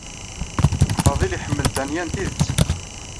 Faḍil iḥemmel Danya n tidet.